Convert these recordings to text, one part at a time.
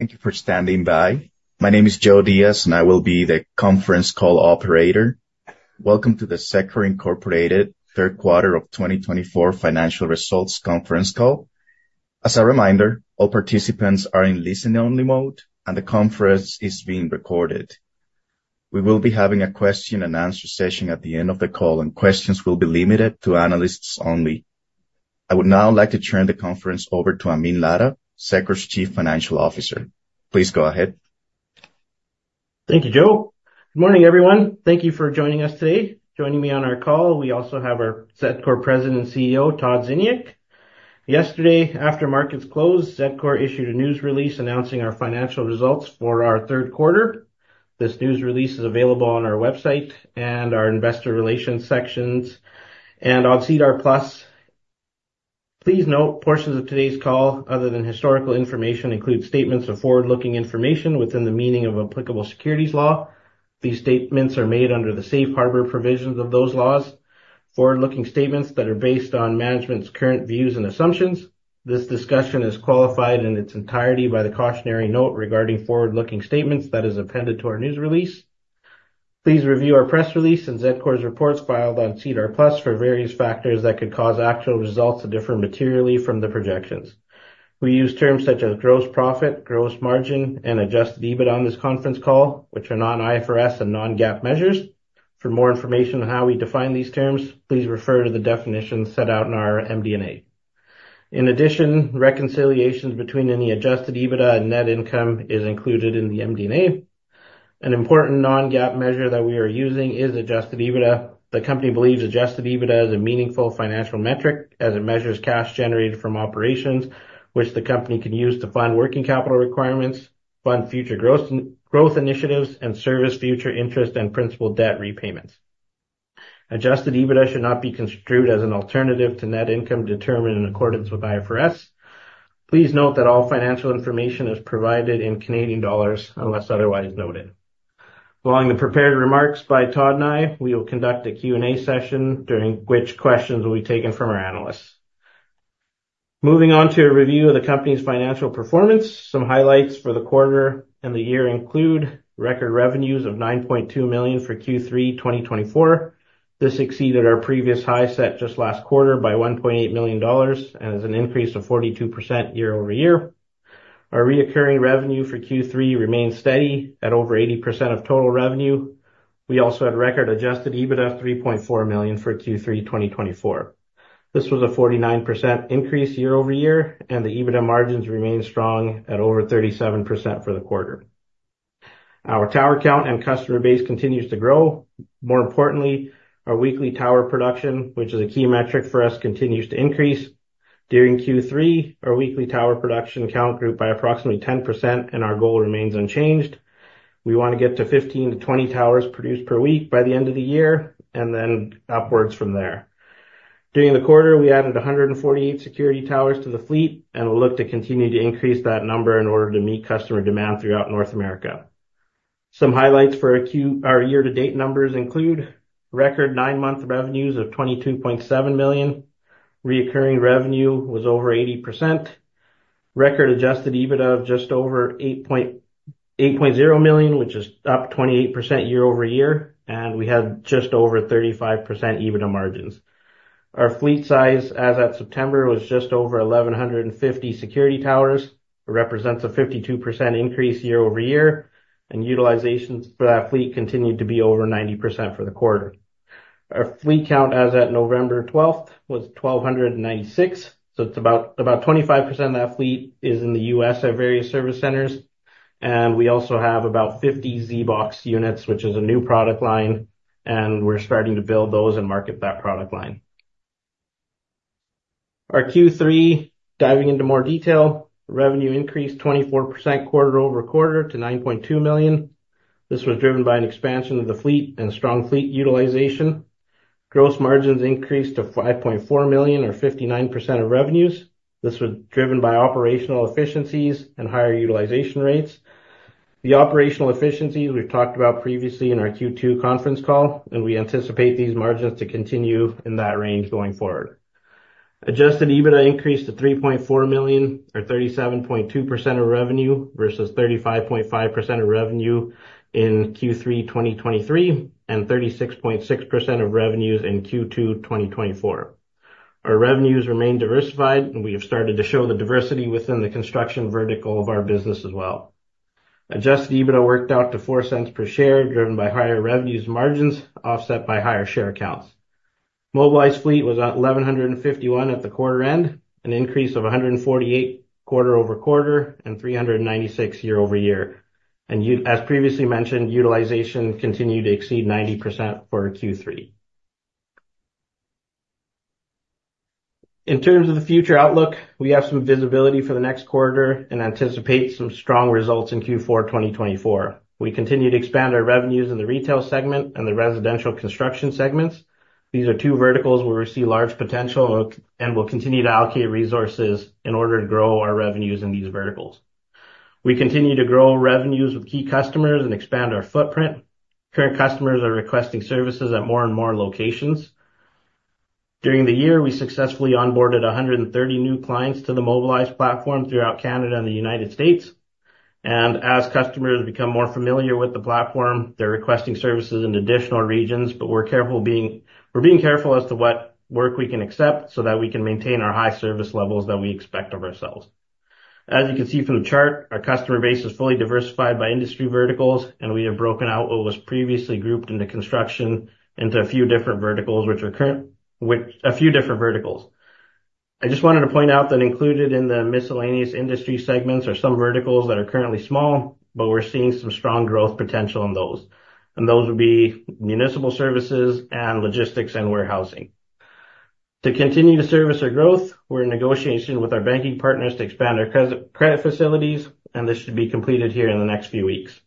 Thank you for standing by. My name is Joe Diaz, and I will be the conference call operator. Welcome to the Zedcor Incorporated Third Quarter of 2024 Financial Results Conference Call. As a reminder, all participants are in listening-only mode, and the conference is being recorded. We will be having a question-and-answer session at the end of the call, and questions will be limited to analysts only. I would now like to turn the conference over to Amin Ladha, Zedcor's Chief Financial Officer. Please go ahead. Thank you, Joe. Good morning, everyone. Thank you for joining us today. Joining me on our call, we also have our Zedcor President and CEO, Todd Ziniuk. Yesterday, after markets closed, Zedcor issued a news release announcing our financial results for our third quarter. This news release is available on our website and our investor relations sections and on SEDAR+. Please note, portions of today's call, other than historical information, include statements of forward-looking information within the meaning of applicable securities law. These statements are made under the safe harbor provisions of those laws. Forward-looking statements that are based on management's current views and assumptions. This discussion is qualified in its entirety by the cautionary note regarding forward-looking statements that is appended to our news release. Please review our press release and Zedcor's reports filed on SEDAR+ for various factors that could cause actual results to differ materially from the projections. We use terms such as gross profit, gross margin, and adjusted EBITDA on this conference call, which are non-IFRS and non-GAAP measures. For more information on how we define these terms, please refer to the definitions set out in our MD&A. In addition, reconciliations between any adjusted EBITDA and net income are included in the MD&A. An important non-GAAP measure that we are using is adjusted EBITDA. The company believes adjusted EBITDA is a meaningful financial metric as it measures cash generated from operations, which the company can use to fund working capital requirements, fund future growth initiatives, and service future interest and principal debt repayments. Adjusted EBITDA should not be construed as an alternative to net income determined in accordance with IFRS. Please note that all financial information is provided in Canadian dollars unless otherwise noted. Following the prepared remarks by Todd and I, we will conduct a Q&A session, during which questions will be taken from our analysts. Moving on to a review of the company's financial performance, some highlights for the quarter and the year include record revenues of 9.2 million for Q3 2024. This exceeded our previous high set just last quarter by 1.8 million dollars and is an increase of 42% year over year. Our recurring revenue for Q3 remains steady at over 80% of total revenue. We also had record Adjusted EBITDA of 3.4 million for Q3 2024. This was a 49% increase year over year, and the EBITDA margins remain strong at over 37% for the quarter. Our tower count and customer base continues to grow. More importantly, our weekly tower production, which is a key metric for us, continues to increase. During Q3, our weekly tower production count grew by approximately 10%, and our goal remains unchanged. We want to get to 15 to 20 towers produced per week by the end of the year and then upwards from there. During the quarter, we added 148 security towers to the fleet, and we'll look to continue to increase that number in order to meet customer demand throughout North America. Some highlights for our year-to-date numbers include record nine-month revenues of 22.7 million. Recurring revenue was over 80%. Record Adjusted EBITDA of just over 8.0 million, which is up 28% year over year, and we had just over 35% EBITDA margins. Our fleet size, as at September, was just over 1,150 security towers, which represents a 52% increase year over year, and utilizations for that fleet continued to be over 90% for the quarter. Our fleet count, as at November 12th, was 1,296, so it's about 25% of that fleet is in the U.S. at various service centers, and we also have about 50 ZBOX units, which is a new product line, and we're starting to build those and market that product line. Our Q3, diving into more detail, revenue increased 24% quarter over quarter to 9.2 million. This was driven by an expansion of the fleet and strong fleet utilization. Gross margins increased to 5.4 million, or 59% of revenues. This was driven by operational efficiencies and higher utilization rates. The operational efficiencies we've talked about previously in our Q2 conference call, and we anticipate these margins to continue in that range going forward. Adjusted EBITDA increased to 3.4 million, or 37.2% of revenue versus 35.5% of revenue in Q3 2023 and 36.6% of revenues in Q2 2024. Our revenues remain diversified, and we have started to show the diversity within the construction vertical of our business as well. Adjusted EBITDA worked out to 0.04 per share, driven by higher revenues and margins offset by higher share accounts. Mobilized fleet was at 1,151 at the quarter end, an increase of 148 quarter over quarter and 396 year over year, and as previously mentioned, utilization continued to exceed 90% for Q3. In terms of the future outlook, we have some visibility for the next quarter and anticipate some strong results in Q4 2024. We continue to expand our revenues in the retail segment and the residential construction segments. These are two verticals where we see large potential, and we'll continue to allocate resources in order to grow our revenues in these verticals. We continue to grow revenues with key customers and expand our footprint. Current customers are requesting services at more and more locations. During the year, we successfully onboarded 130 new clients to the Mobilized platform throughout Canada and the United States, and as customers become more familiar with the platform, they're requesting services in additional regions, but we're careful as to what work we can accept so that we can maintain our high service levels that we expect of ourselves. As you can see from the chart, our customer base is fully diversified by industry verticals, and we have broken out what was previously grouped into construction into a few different verticals, which are currently a few different verticals. I just wanted to point out that included in the miscellaneous industry segments are some verticals that are currently small, but we're seeing some strong growth potential in those, and those would be municipal services and logistics and warehousing. To continue to service our growth, we're in negotiation with our banking partners to expand our credit facilities, and this should be completed here in the next few weeks.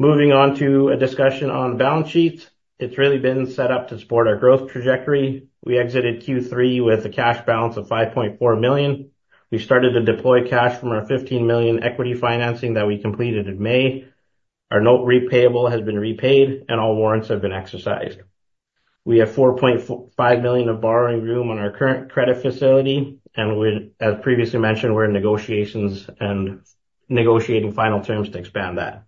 Moving on to a discussion on balance sheets, it's really been set up to support our growth trajectory. We exited Q3 with a cash balance of 5.4 million. We started to deploy cash from our 15 million equity financing that we completed in May. Our note repayable has been repaid, and all warrants have been exercised. We have 4.5 million of borrowing room on our current credit facility, and as previously mentioned, we're in negotiations and negotiating final terms to expand that.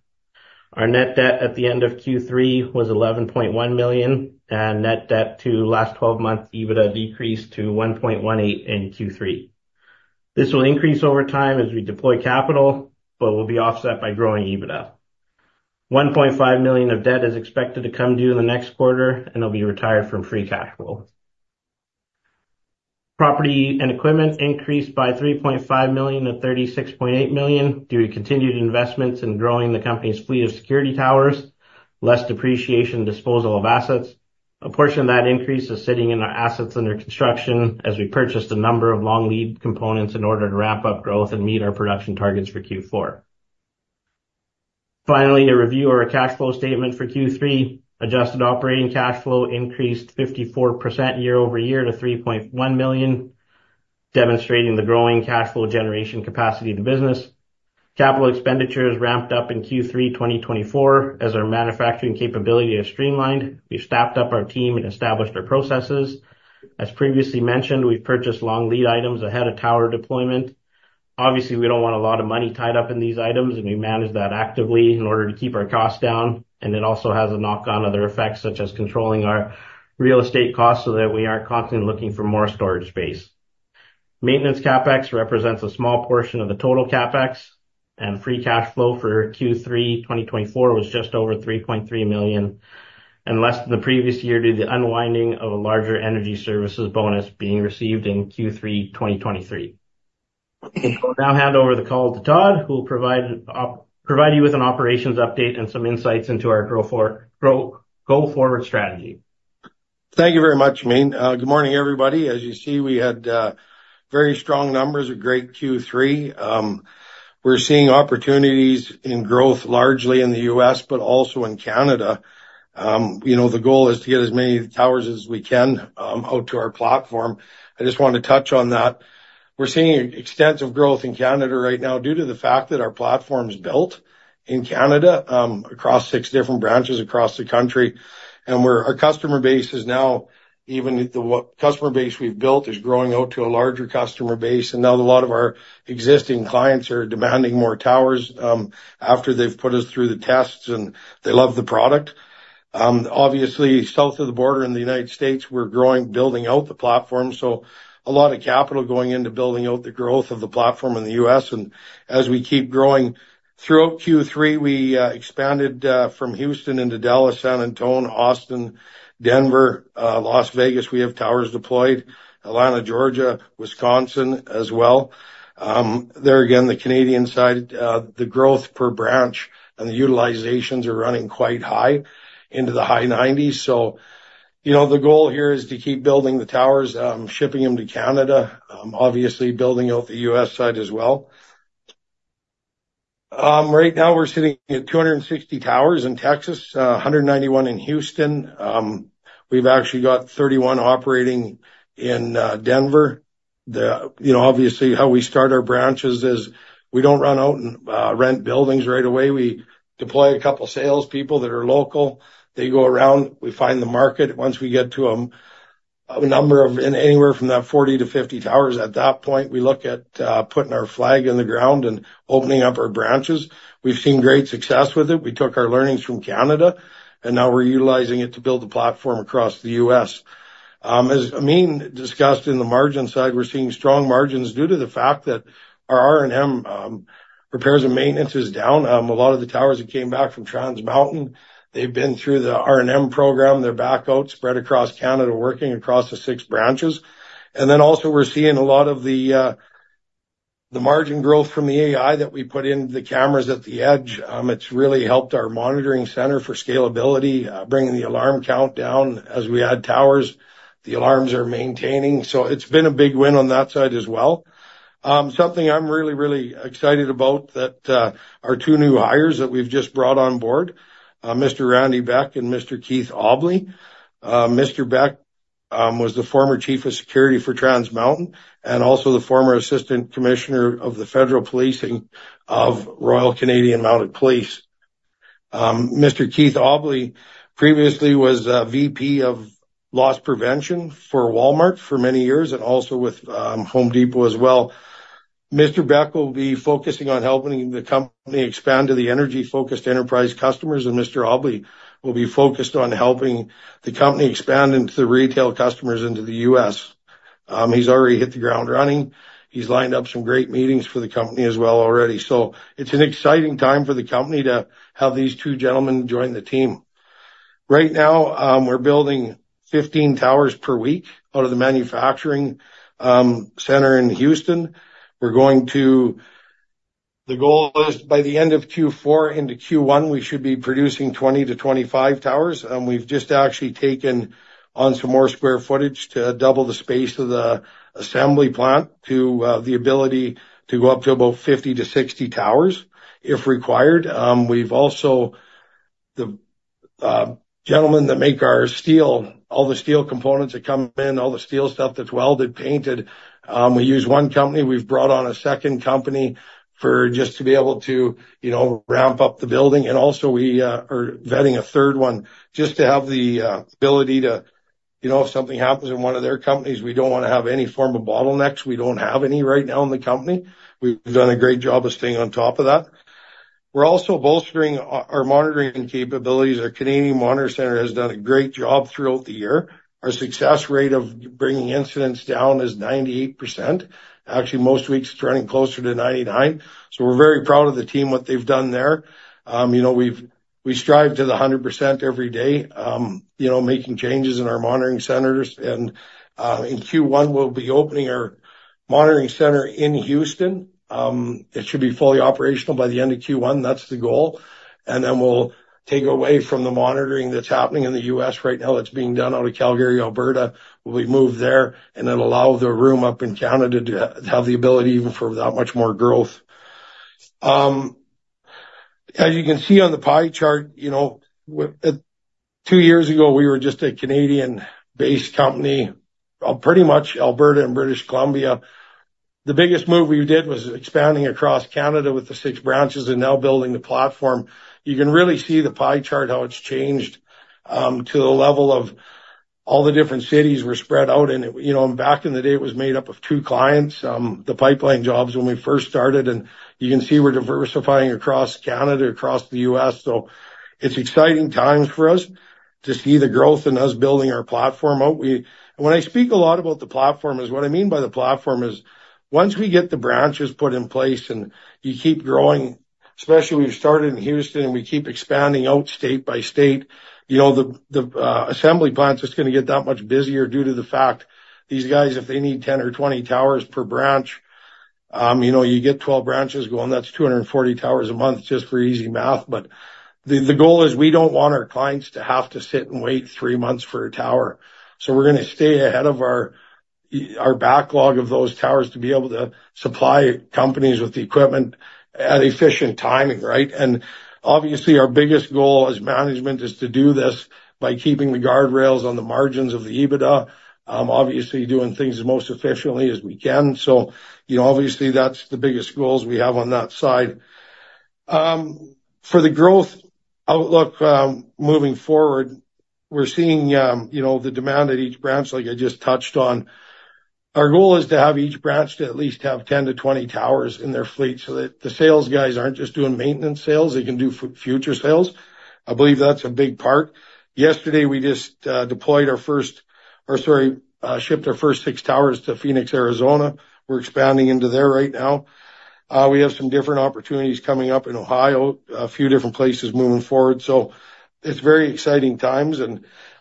Our net debt at the end of Q3 was 11.1 million, and net debt to last 12 months EBITDA decreased to 1.18 in Q3. This will increase over time as we deploy capital, but will be offset by growing EBITDA. 1.5 million of debt is expected to come due in the next quarter, and it'll be retired from free cash flow. Property and equipment increased by 3.5 million to 36.8 million due to continued investments in growing the company's fleet of security towers, less depreciation, and disposal of assets. A portion of that increase is sitting in our assets under construction as we purchased a number of long lead components in order to ramp up growth and meet our production targets for Q4. Finally, a review of our cash flow statement for Q3, adjusted operating cash flow increased 54% year over year to 3.1 million, demonstrating the growing cash flow generation capacity of the business. Capital expenditures ramped up in Q3 2024 as our manufacturing capability is streamlined. We've staffed up our team and established our processes. As previously mentioned, we've purchased long lead items ahead of tower deployment. Obviously, we don't want a lot of money tied up in these items, and we manage that actively in order to keep our costs down, and it also has a knock-on other effects, such as controlling our real estate costs so that we aren't constantly looking for more storage space. Maintenance CapEx represents a small portion of the total CapEx, and free cash flow for Q3 2024 was just over 3.3 million, and less than the previous year due to the unwinding of a larger energy services bonus being received in Q3 2023. I'll now hand over the call to Todd, who will provide you with an operations update and some insights into our growth forward strategy. Thank you very much, Amin. Good morning, everybody. As you see, we had very strong numbers at great Q3. We're seeing opportunities in growth largely in the U.S., but also in Canada. The goal is to get as many towers as we can out to our platform. I just want to touch on that. We're seeing extensive growth in Canada right now due to the fact that our platform's built in Canada across six different branches across the country, and our customer base is now even the customer base we've built is growing out to a larger customer base, and now a lot of our existing clients are demanding more towers after they've put us through the tests, and they love the product. Obviously, south of the border in the United States, we're growing, building out the platform. So a lot of capital going into building out the growth of the platform in the U.S. And as we keep growing throughout Q3, we expanded from Houston into Dallas, San Antonio, Austin, Denver, Las Vegas. We have towers deployed in Atlanta, Georgia, Wisconsin as well. There again, the Canadian side, the growth per branch and the utilizations are running quite high into the high 90s%. So the goal here is to keep building the towers, shipping them to Canada, obviously building out the U.S. side as well. Right now, we're sitting at 260 towers in Texas, 191 in Houston. We've actually got 31 operating in Denver. Obviously, how we start our branches is we don't run out and rent buildings right away. We deploy a couple of salespeople that are local. They go around, we find the market. Once we get to a number of anywhere from that 40-50 towers, at that point, we look at putting our flag in the ground and opening up our branches. We've seen great success with it. We took our learnings from Canada, and now we're utilizing it to build the platform across the U.S. As Amin discussed in the margin side, we're seeing strong margins due to the fact that our R&M repairs and maintenance is down. A lot of the towers that came back from Trans Mountain, they've been through the R&M program. They're back out spread across Canada, working across the six branches. And then also we're seeing a lot of the margin growth from the AI that we put into the cameras at the edge. It's really helped our monitoring center for scalability, bringing the alarm count down as we add towers. The alarms are maintaining. It's been a big win on that side as well. Something I'm really, really excited about that our two new hires that we've just brought on board, Mr. Randy Beck and Mr. Keith Aubley. Mr. Beck was the former chief of security for Trans Mountain and also the former assistant commissioner of the federal policing of Royal Canadian Mounted Police. Mr. Keith Aubley previously was a VP of loss prevention for Walmart for many years and also with Home Depot as well. Mr. Beck will be focusing on helping the company expand to the energy-focused enterprise customers, and Mr. Aubley will be focused on helping the company expand into the retail customers into the U.S. He's already hit the ground running. He's lined up some great meetings for the company as well already. It's an exciting time for the company to have these two gentlemen join the team. Right now, we're building 15 towers per week out of the manufacturing center in Houston. The goal is by the end of Q4 into Q1, we should be producing 20-25 towers, and we've just actually taken on some more sq ft to double the space of the assembly plant to the ability to go up to about 50-60 towers if required. We've also the gentlemen that make our steel, all the steel components that come in, all the steel stuff that's welded, painted. We use one company. We've brought on a second company just to be able to ramp up the building, and also we are vetting a third one just to have the ability to if something happens in one of their companies, we don't want to have any form of bottlenecks. We don't have any right now in the company. We've done a great job of staying on top of that. We're also bolstering our monitoring capabilities. Our Canadian Monitoring Center has done a great job throughout the year. Our success rate of bringing incidents down is 98%. Actually, most weeks it's running closer to 99%. So we're very proud of the team, what they've done there. We strive to the 100% every day, making changes in our monitoring centers. And in Q1, we'll be opening our monitoring center in Houston. It should be fully operational by the end of Q1. That's the goal. And then we'll take away from the monitoring that's happening in the U.S. right now that's being done out of Calgary, Alberta. We'll be moved there, and it'll allow the room up in Canada to have the ability even for that much more growth. As you can see on the pie chart, two years ago, we were just a Canadian-based company, pretty much Alberta and British Columbia. The biggest move we did was expanding across Canada with the six branches and now building the platform. You can really see the pie chart how it's changed to the level of all the different cities we're spread out in. Back in the day, it was made up of two clients, the pipeline jobs when we first started. And you can see we're diversifying across Canada, across the U.S. So it's exciting times for us to see the growth in us building our platform out. When I speak a lot about the platform, what I mean by the platform is once we get the branches put in place and you keep growing, especially we've started in Houston and we keep expanding out, state by state, the assembly plant's just going to get that much busier due to the fact these guys, if they need 10 or 20 towers per branch, you get 12 branches going, that's 240 towers a month just for easy math. But the goal is we don't want our clients to have to sit and wait three months for a tower. So we're going to stay ahead of our backlog of those towers to be able to supply companies with the equipment at efficient timing, right? Obviously, our biggest goal as management is to do this by keeping the guardrails on the margins of the EBITDA, obviously doing things as most efficiently as we can. Obviously, that's the biggest goals we have on that side. For the growth outlook moving forward, we're seeing the demand at each branch, like I just touched on. Our goal is to have each branch to at least have 10-20 towers in their fleet so that the sales guys aren't just doing maintenance sales. They can do future sales. I believe that's a big part. Yesterday, we just deployed our first or sorry, shipped our first six towers to Phoenix, Arizona. We're expanding into there right now. We have some different opportunities coming up in Ohio, a few different places moving forward. It's very exciting times.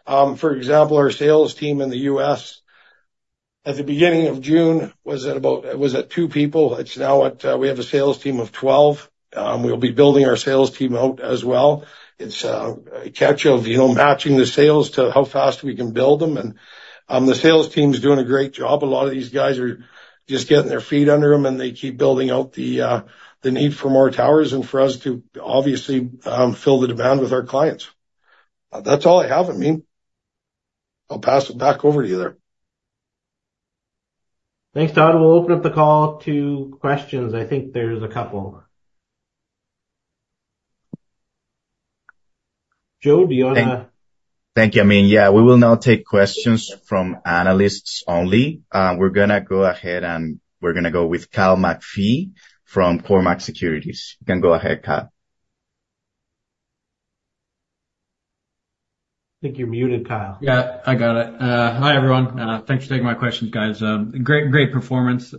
For example, our sales team in the U.S., at the beginning of June, was at two people. It's now we have a sales team of 12. We'll be building our sales team out as well. It's a catch of matching the sales to how fast we can build them. And the sales team's doing a great job. A lot of these guys are just getting their feet under them, and they keep building out the need for more towers and for us to obviously fill the demand with our clients. That's all I have, Amin. I'll pass it back over to you there. Thanks, Todd. We'll open up the call to questions. I think there's a couple. Joe, do you want to? Thank you, Amin. Yeah, we will now take questions from analysts only. We're going to go ahead and we're going to go with Kyle McPhee from Cormark Securities. You can go ahead, Kyle. I think you're muted, Kyle. Yeah, I got it. Hi, everyone. Thanks for taking my questions, guys. Great performance.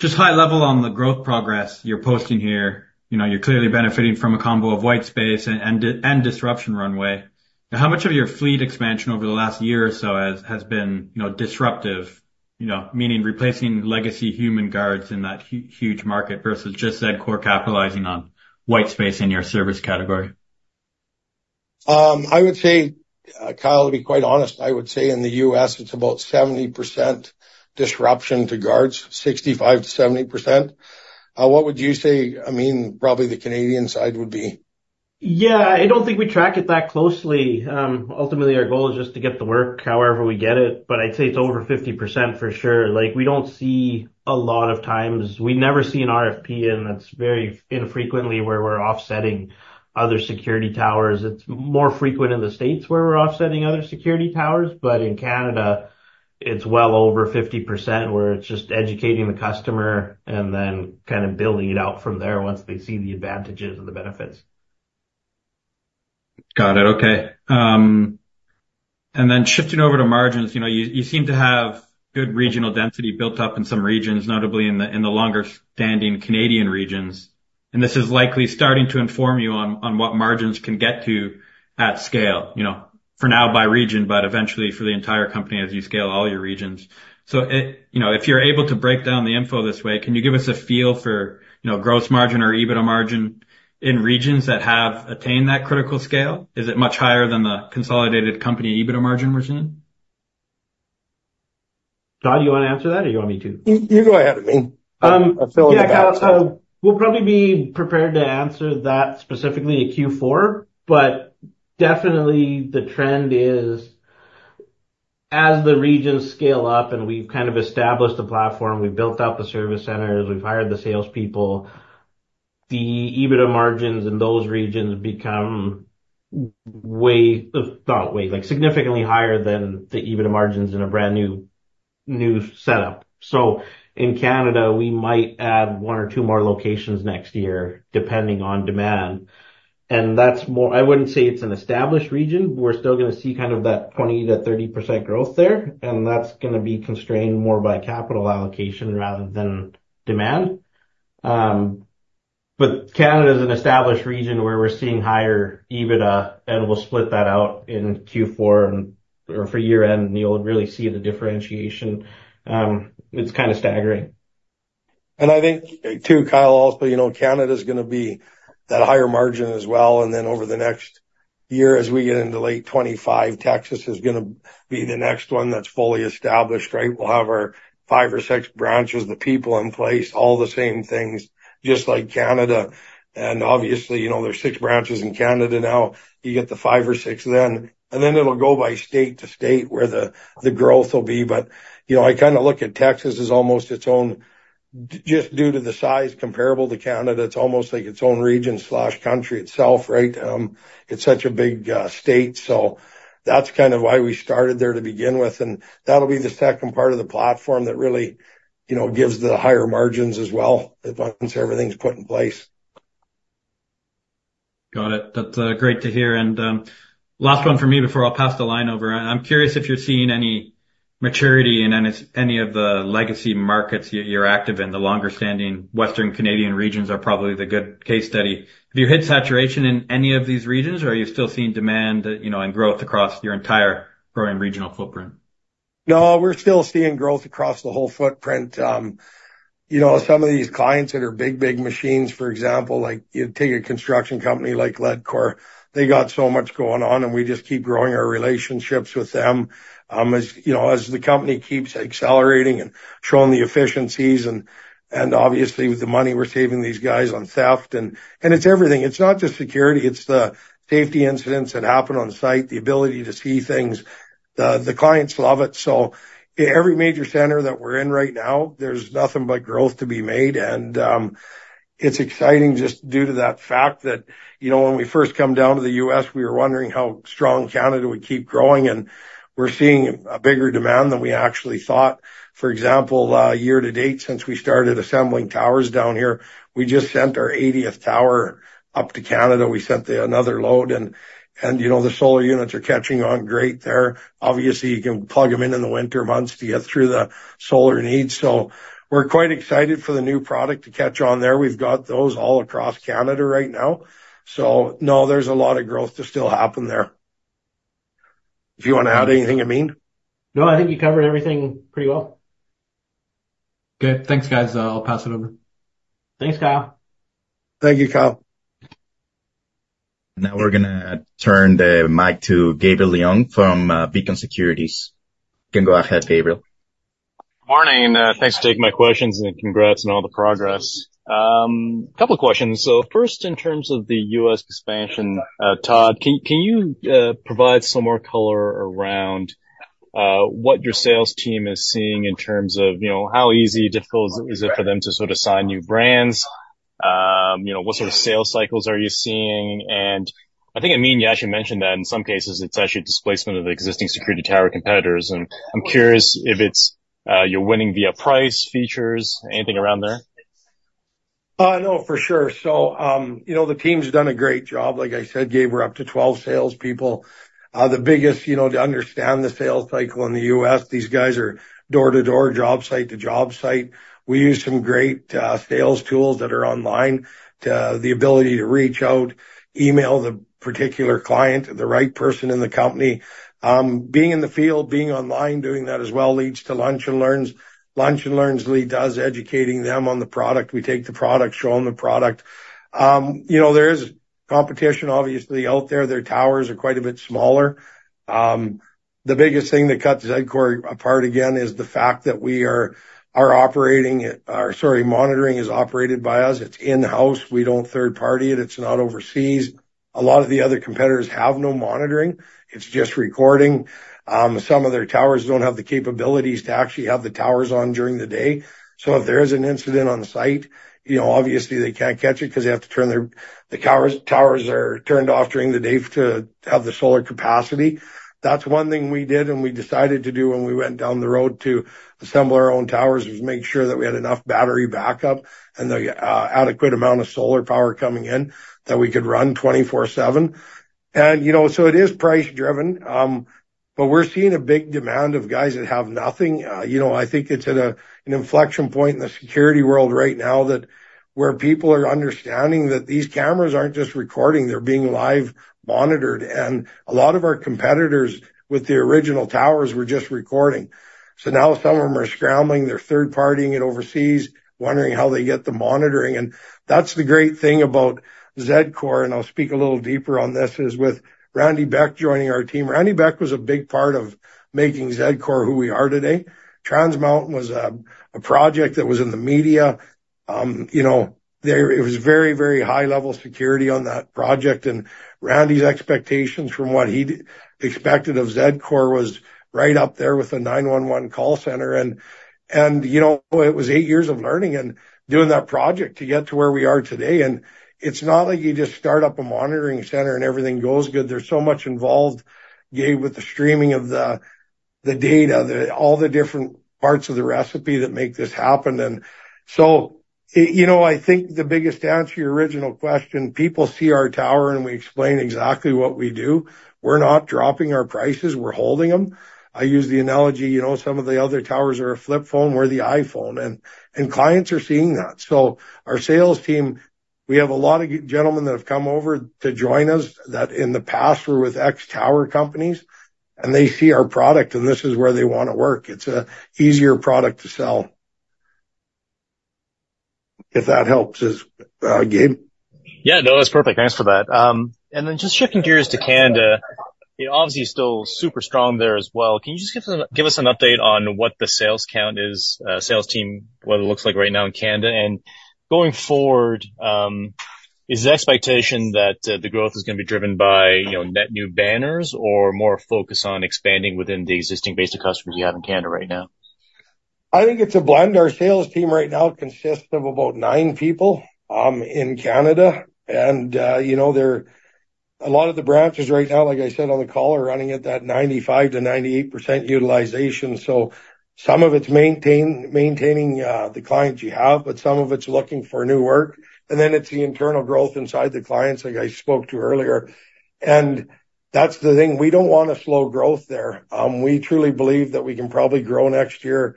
Just high level on the growth progress you're posting here, you're clearly benefiting from a combo of white space and disruption runway. How much of your fleet expansion over the last year or so has been disruptive, meaning replacing legacy human guards in that huge market versus just Zedcor capitalizing on white space in your service category? I would say, Kyle, to be quite honest, I would say in the U.S., it's about 70% disruption to guards, 65%-70%. What would you say, Amin, probably the Canadian side would be? Yeah, I don't think we track it that closely. Ultimately, our goal is just to get the work however we get it, but I'd say it's over 50% for sure. We don't see a lot of times. We never see an RFP, and that's very infrequently where we're offsetting other security towers. It's more frequent in the States where we're offsetting other security towers, but in Canada, it's well over 50% where it's just educating the customer and then kind of building it out from there once they see the advantages and the benefits. Got it. Okay. And then shifting over to margins, you seem to have good regional density built up in some regions, notably in the longer-standing Canadian regions. And this is likely starting to inform you on what margins can get to at scale, for now by region, but eventually for the entire company as you scale all your regions. So if you're able to break down the info this way, can you give us a feel for gross margin or EBITDA margin in regions that have attained that critical scale? Is it much higher than the consolidated company EBITDA margin we're seeing? Todd, do you want to answer that or do you want me to? You go ahead, Amin. Yeah, Kyle, so we'll probably be prepared to answer that specifically at Q4, but definitely the trend is as the regions scale up and we've kind of established the platform, we've built out the service centers, we've hired the salespeople, the EBITDA margins in those regions become significantly higher than the EBITDA margins in a brand new setup, so in Canada, we might add one or two more locations next year depending on demand, and I wouldn't say it's an established region. We're still going to see kind of that 20%-30% growth there, and that's going to be constrained more by capital allocation rather than demand. But Canada is an established region where we're seeing higher EBITDA, and we'll split that out in Q4 or for year-end, and you'll really see the differentiation. It's kind of staggering. I think too, Kyle, also Canada is going to be that higher margin as well. And then over the next year, as we get into late 2025, Texas is going to be the next one that's fully established, right? We'll have our five or six branches, the people in place, all the same things, just like Canada. And obviously, there's six branches in Canada now. You get the five or six then. And then it'll go by state to state where the growth will be. But I kind of look at Texas as almost its own, just due to the size comparable to Canada, it's almost like its own region/country itself, right? It's such a big state. So that's kind of why we started there to begin with. That'll be the second part of the platform that really gives the higher margins as well once everything's put in place. Got it. That's great to hear. And last one for me before I'll pass the line over. I'm curious if you're seeing any maturity in any of the legacy markets you're active in. The longer-standing Western Canadian regions are probably the good case study. Have you hit saturation in any of these regions, or are you still seeing demand and growth across your entire growing regional footprint? No, we're still seeing growth across the whole footprint. Some of these clients that are big, big machines, for example, like you take a construction company like Zedcor, they got so much going on, and we just keep growing our relationships with them as the company keeps accelerating and showing the efficiencies. And obviously, with the money, we're saving these guys on theft. It's everything. It's not just security. It's the safety incidents that happen on site, the ability to see things. The clients love it. Every major center that we're in right now, there's nothing but growth to be made. It's exciting just due to that fact that when we first come down to the U.S., we were wondering how strong Canada would keep growing. We're seeing a bigger demand than we actually thought. For example, year to date, since we started assembling towers down here, we just sent our 80th tower up to Canada. We sent another load, and the solar units are catching on great there. Obviously, you can plug them in in the winter months to get through the solar needs, so we're quite excited for the new product to catch on there. We've got those all across Canada right now, so no, there's a lot of growth to still happen there. If you want to add anything, Amin? No, I think you covered everything pretty well. Good. Thanks, guys. I'll pass it over. Thanks, Kyle. Thank you, Kyle. Now we're going to turn the mic to Gabriel Leong from Beacon Securities. You can go ahead, Gabriel. Morning. Thanks for taking my questions and congrats on all the progress. A couple of questions. So first, in terms of the U.S. expansion, Todd, can you provide some more color around what your sales team is seeing in terms of how easy or difficult is it for them to sort of sign new brands? What sort of sales cycles are you seeing? And I think, Amin, you actually mentioned that in some cases, it's actually displacement of existing security tower competitors. And I'm curious if you're winning via price, features, anything around there? No, for sure. So the team's done a great job. Like I said, we've got up to 12 salespeople. The biggest thing to understand the sales cycle in the U.S. is these guys are door-to-door, job-site to job-site. We use some great sales tools that are online, the ability to reach out, email the particular client, the right person in the company. Being in the field, being online, doing that as well leads to lunch and learns. Lunch and learns lead to educating them on the product. We take the product, show them the product. There is competition, obviously, out there. Their towers are quite a bit smaller. The biggest thing that sets Zedcor apart again is the fact that we are operating, or sorry, monitoring is operated by us. It's in-house. We don't third-party it. It's not overseas. A lot of the other competitors have no monitoring. It's just recording. Some of their towers don't have the capabilities to actually have the towers on during the day. So if there is an incident on site, obviously, they can't catch it because they have to turn the towers off during the day to have the solar capacity. That's one thing we did and we decided to do when we went down the road to assemble our own towers was make sure that we had enough battery backup and the adequate amount of solar power coming in that we could run 24/7. It is price-driven, but we're seeing a big demand of guys that have nothing. I think it's at an inflection point in the security world right now where people are understanding that these cameras aren't just recording. They're being live monitored. A lot of our competitors with the original towers were just recording. So now some of them are scrambling. They're third-partying it overseas, wondering how they get the monitoring. And that's the great thing about Zedcor, and I'll speak a little deeper on this, is with Randy Beck joining our team. Randy Beck was a big part of making Zedcor who we are today. Trans Mountain was a project that was in the media. It was very, very high-level security on that project. And Randy's expectations from what he expected of Zedcor was right up there with a 911 call center. And it was eight years of learning and doing that project to get to where we are today. And it's not like you just start up a monitoring center and everything goes good. There's so much involved, Gabe, with the streaming of the data, all the different parts of the recipe that make this happen. And so, I think the biggest answer to your original question. People see our tower and we explain exactly what we do. We're not dropping our prices. We're holding them. I use the analogy. Some of the other towers are a flip phone or the iPhone. And clients are seeing that. So our sales team. We have a lot of gentlemen that have come over to join us that in the past were with X tower companies, and they see our product, and this is where they want to work. It's an easier product to sell. If that helps, Gabe? Yeah, no, that's perfect. Thanks for that. And then just shifting gears to Canada, obviously still super strong there as well. Can you just give us an update on what the sales count is, sales team, what it looks like right now in Canada? And going forward, is the expectation that the growth is going to be driven by net new banners or more focus on expanding within the existing base of customers you have in Canada right now? I think it's a blend. Our sales team right now consists of about nine people in Canada, and a lot of the branches right now, like I said on the call, are running at that 95%-98% utilization. Some of it's maintaining the clients you have, but some of it's looking for new work, and then it's the internal growth inside the clients, like I spoke to earlier. That's the thing. We don't want a slow growth there. We truly believe that we can probably grow next year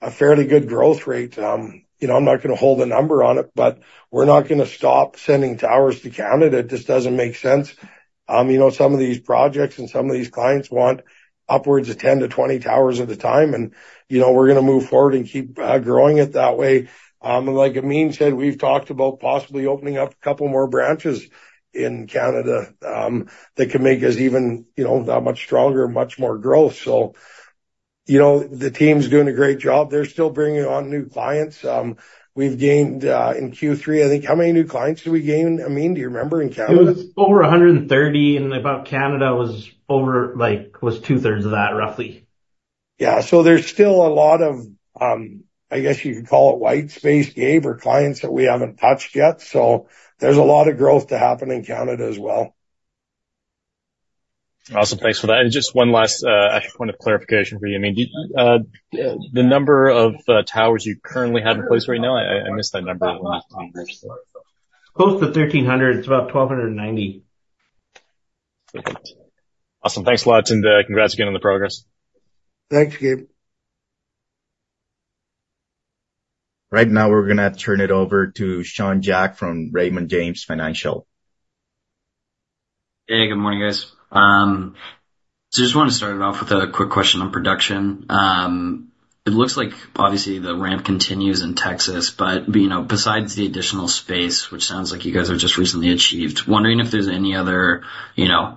a fairly good growth rate. I'm not going to hold a number on it, but we're not going to stop sending towers to Canada. It just doesn't make sense. Some of these projects and some of these clients want upwards of 10-20 towers at a time. We're going to move forward and keep growing it that way. Like Amin said, we've talked about possibly opening up a couple more branches in Canada that can make us even that much stronger, much more growth. The team's doing a great job. They're still bringing on new clients. We've gained in Q3, I think, how many new clients did we gain, Amin? Do you remember in Canada? It was over 130, and about Canada was two-thirds of that, roughly. Yeah. So there's still a lot of, I guess you could call it white space, Gabe, or clients that we haven't touched yet. So there's a lot of growth to happen in Canada as well. Awesome. Thanks for that. And just one last point of clarification for you, Amin. The number of towers you currently have in place right now, I missed that number? Close to 1,300. It's about 1,290. Awesome. Thanks a lot. And congrats again on the progress. Thanks, Gabe. Right now, we're going to turn it over to Sean Jack from Raymond James Financial. Hey, good morning, guys. So I just want to start it off with a quick question on production. It looks like obviously the ramp continues in Texas, but besides the additional space, which sounds like you guys have just recently achieved, wondering if there's any other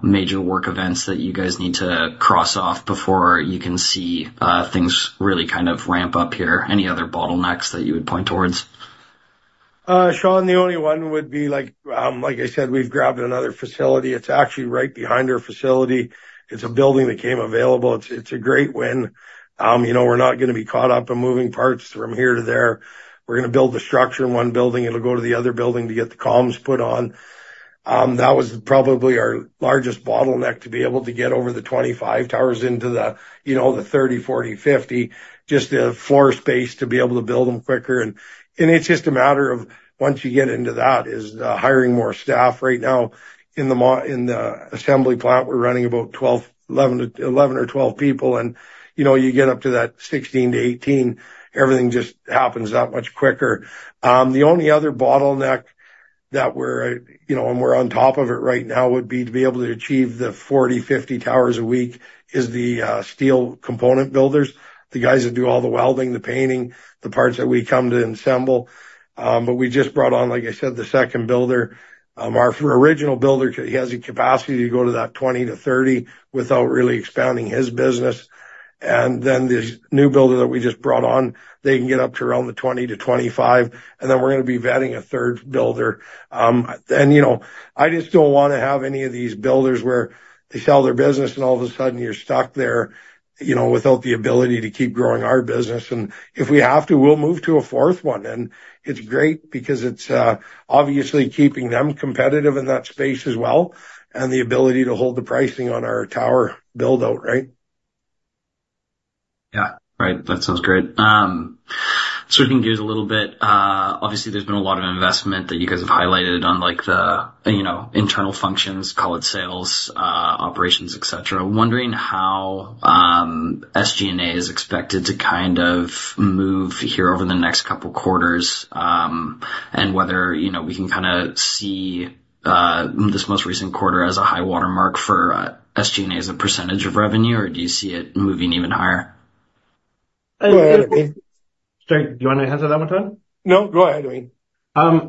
major work events that you guys need to cross off before you can see things really kind of ramp up here, any other bottlenecks that you would point towards? Sean, the only one would be, like I said, we've grabbed another facility. It's actually right behind our facility. It's a building that came available. It's a great win. We're not going to be caught up in moving parts from here to there. We're going to build the structure in one building. It'll go to the other building to get the columns put on. That was probably our largest bottleneck to be able to get over the 25 towers into the 30, 40, 50, just the floor space to be able to build them quicker. And it's just a matter of once you get into that is hiring more staff. Right now, in the assembly plant, we're running about 11 or 12 people. And you get up to that 16 to 18, everything just happens that much quicker. The only other bottleneck that we're on top of right now would be, to be able to achieve the 40-50 towers a week, the steel component builders, the guys that do all the welding, the painting, the parts that we come to assemble. But we just brought on, like I said, the second builder. Our original builder, he has a capacity to go to that 20-30 without really expanding his business. And then the new builder that we just brought on, they can get up to around the 20-25. And then we're going to be vetting a third builder. And I just don't want to have any of these builders where they sell their business and all of a sudden you're stuck there without the ability to keep growing our business. And if we have to, we'll move to a fourth one. It's great because it's obviously keeping them competitive in that space as well and the ability to hold the pricing on our tower build-out, right? Yeah. Right. That sounds great. Switching gears a little bit, obviously, there's been a lot of investment that you guys have highlighted on the internal functions, call it sales, operations, etc. Wondering how SG&A is expected to kind of move here over the next couple of quarters and whether we can kind of see this most recent quarter as a high watermark for SG&A as a percentage of revenue, or do you see it moving even higher? Sorry, do you want to answer that one, Todd? No, go ahead, Amin.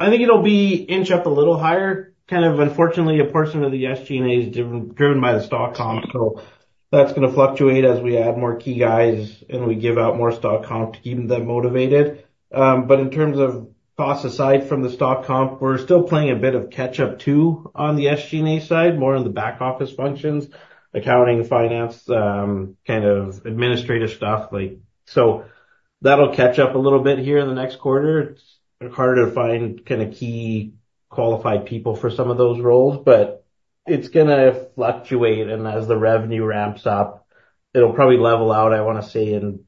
I think it'll inch up a little higher. Kind of, unfortunately, a portion of the SG&A is driven by the stock comp. So that's going to fluctuate as we add more key guys and we give out more stock comp to keep them motivated. But in terms of costs aside from the stock comp, we're still playing a bit of catch-up too on the SG&A side, more on the back office functions, accounting, finance, kind of administrative stuff. So that'll catch up a little bit here in the next quarter. It's harder to find kind of key qualified people for some of those roles, but it's going to fluctuate. And as the revenue ramps up, it'll probably level out, I want to say, in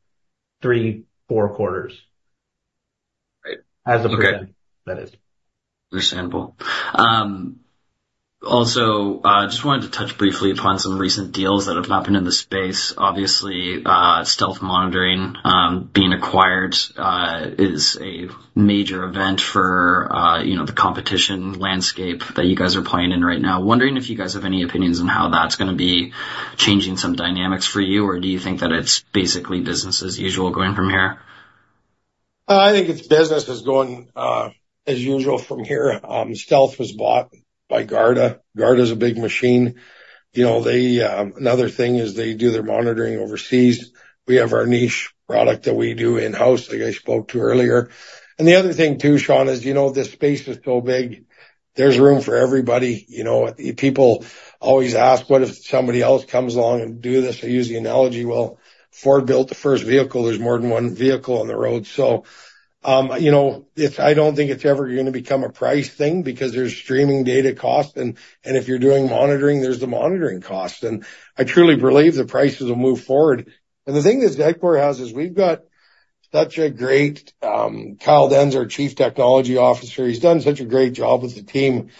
three, four quarters as of present. That is. Understandable. Also, just wanted to touch briefly upon some recent deals that have not been in the space. Obviously, Stealth Monitoring being acquired is a major event for the competition landscape that you guys are playing in right now. Wondering if you guys have any opinions on how that's going to be changing some dynamics for you, or do you think that it's basically business as usual going from here? I think it's business that's going as usual from here. Stealth was bought by Garda. Garda is a big machine. Another thing is they do their monitoring overseas. We have our niche product that we do in-house, like I spoke to earlier. And the other thing too, Sean, is the space is so big. There's room for everybody. People always ask, "What if somebody else comes along and do this?" I use the analogy. Well, Ford built the first vehicle. There's more than one vehicle on the road. So I don't think it's ever going to become a price thing because there's streaming data costs. And if you're doing monitoring, there's the monitoring costs. And I truly believe the prices will move forward. And the thing that Zedcor has is we've got such a great Kyle Dennes, our Chief Technology Officer. He's done such a great job with the team.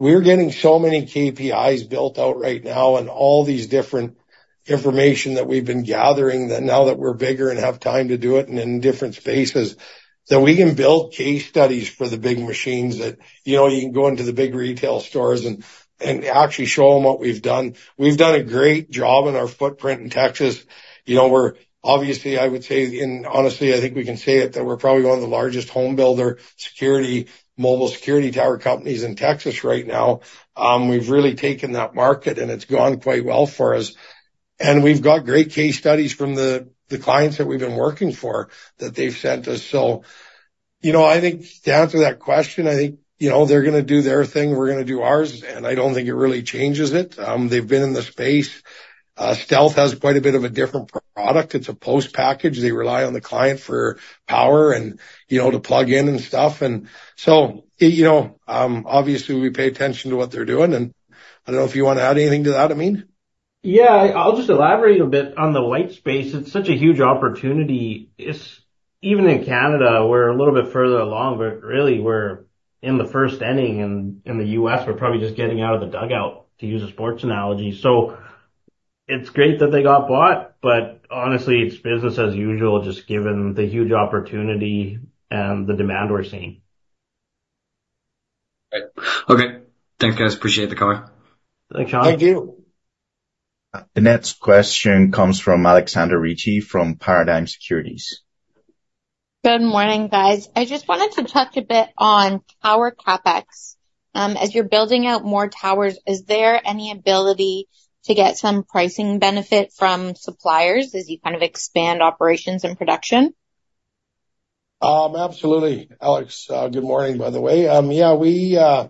We're getting so many KPIs built out right now and all these different information that we've been gathering that now that we're bigger and have time to do it and in different spaces, that we can build case studies for the big machines that you can go into the big retail stores and actually show them what we've done. We've done a great job in our footprint in Texas. Obviously, I would say, and honestly, I think we can say it, that we're probably one of the largest home builder, mobile security tower companies in Texas right now. We've really taken that market, and it's gone quite well for us. And we've got great case studies from the clients that we've been working for that they've sent us. So I think to answer that question, I think they're going to do their thing. We're going to do ours. And I don't think it really changes it. They've been in the space. Stealth has quite a bit of a different product. It's a post package. They rely on the client for power and to plug in and stuff. And so obviously, we pay attention to what they're doing. And I don't know if you want to add anything to that, Amin? Yeah. I'll just elaborate a bit on the white space. It's such a huge opportunity. Even in Canada, we're a little bit further along, but really, we're in the first inning. And in the U.S., we're probably just getting out of the dugout, to use a sports analogy. So it's great that they got bought, but honestly, it's business as usual, just given the huge opportunity and the demand we're seeing. Okay. Thanks, guys. Appreciate the call. Thanks, Sean. Thank you. The next question comes from Alexander Ricci from Paradigm Capital. Good morning, guys. I just wanted to touch a bit on tower CapEx. As you're building out more towers, is there any ability to get some pricing benefit from suppliers as you kind of expand operations and production? Absolutely. Alex, good morning, by the way. Yeah,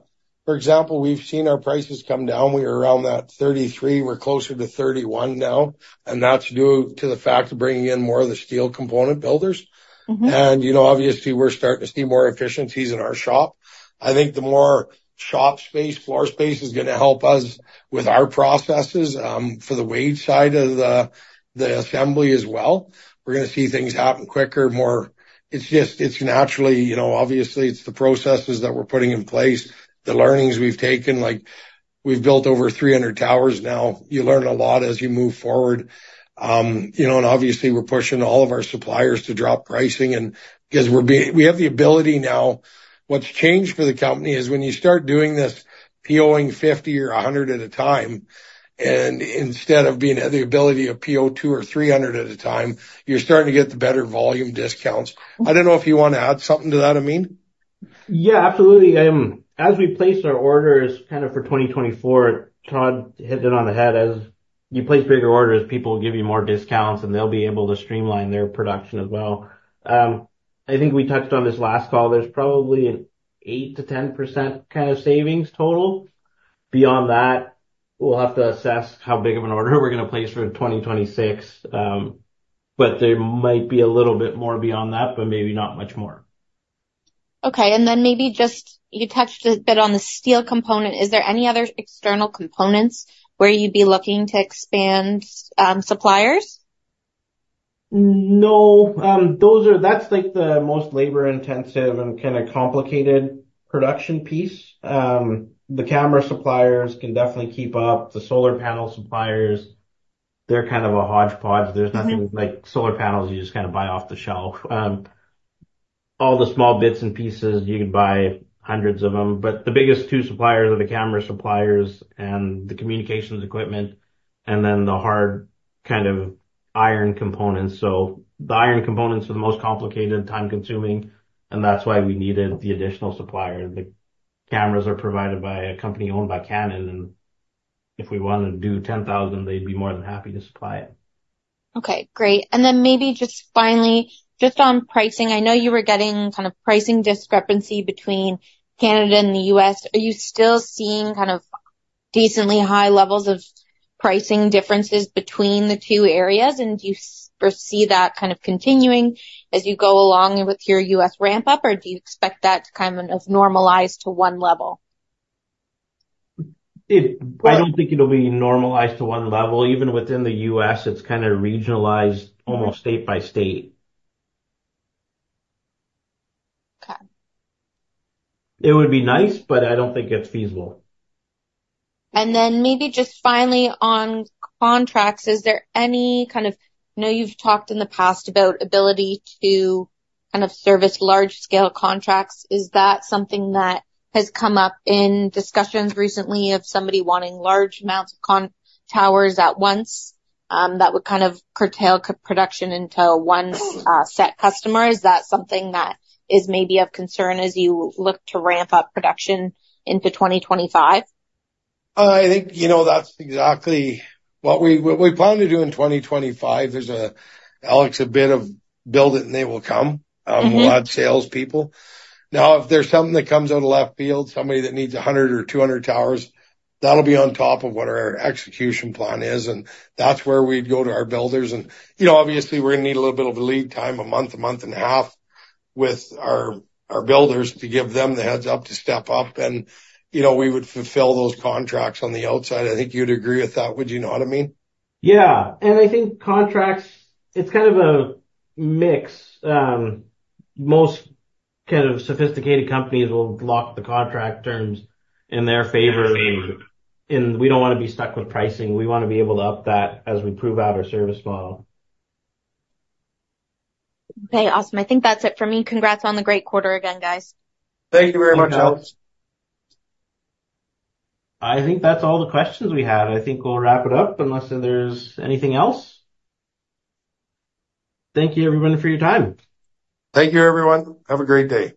for example, we've seen our prices come down. We were around that 33. We're closer to 31 now. And that's due to the fact of bringing in more of the steel component builders. And obviously, we're starting to see more efficiencies in our shop. I think the more shop space, floor space is going to help us with our processes for the wage side of the assembly as well. We're going to see things happen quicker. It's naturally, obviously, it's the processes that we're putting in place, the learnings we've taken. We've built over 300 towers now. You learn a lot as you move forward. And obviously, we're pushing all of our suppliers to drop pricing because we have the ability now. What's changed for the company is when you start doing this POing 50 or 100 at a time, and instead of being at the ability of PO two or 300 at a time, you're starting to get the better volume discounts. I don't know if you want to add something to that, Amin? Yeah, absolutely. As we place our orders kind of for 2024, Todd hit it on the head. As you place bigger orders, people will give you more discounts, and they'll be able to streamline their production as well. I think we touched on this last call. There's probably an 8%-10% kind of savings total. Beyond that, we'll have to assess how big of an order we're going to place for 2026. But there might be a little bit more beyond that, but maybe not much more. Okay. And then maybe just you touched a bit on the steel component. Is there any other external components where you'd be looking to expand suppliers? No. That's the most labor-intensive and kind of complicated production piece. The camera suppliers can definitely keep up. The solar panel suppliers, they're kind of a hodgepodge. There's nothing like solar panels you just kind of buy off the shelf. All the small bits and pieces, you can buy hundreds of them. But the biggest two suppliers are the camera suppliers and the communications equipment, and then the hard kind of iron components. So the iron components are the most complicated and time-consuming. And that's why we needed the additional supplier. The cameras are provided by a company owned by Canon. And if we wanted to do 10,000, they'd be more than happy to supply it. Okay. Great. And then maybe just finally, just on pricing, I know you were getting kind of pricing discrepancy between Canada and the U.S. Are you still seeing kind of decently high levels of pricing differences between the two areas? And do you foresee that kind of continuing as you go along with your U.S. ramp-up, or do you expect that to kind of normalize to one level? I don't think it'll be normalized to one level. Even within the U.S., it's kind of regionalized almost state by state. Okay. It would be nice, but I don't think it's feasible. And then maybe just finally on contracts, is there any kind of I know you've talked in the past about the ability to kind of service large-scale contracts? Is that something that has come up in discussions recently of somebody wanting large amounts of towers at once that would kind of curtail production into one set customer? Is that something that is maybe of concern as you look to ramp up production into 2025? I think that's exactly what we plan to do in 2025. There's a bit of build it and they will come. We'll add salespeople. Now, if there's something that comes out of left field, somebody that needs 100 or 200 towers, that'll be on top of what our execution plan is. And that's where we'd go to our builders. And obviously, we're going to need a little bit of a lead time, a month, a month and a half with our builders to give them the heads-up to step up. And we would fulfill those contracts on the outside. I think you'd agree with that. Would you know what I mean? Yeah, and I think contracts, it's kind of a mix. Most kind of sophisticated companies will lock the contract terms in their favor, and we don't want to be stuck with pricing. We want to be able to up that as we prove out our service model. Okay. Awesome. I think that's it for me. Congrats on the great quarter again, guys. Thank you very much, Alex. I think that's all the questions we had. I think we'll wrap it up unless there's anything else. Thank you, everyone, for your time. Thank you, everyone. Have a great day.